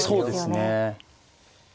そうですね。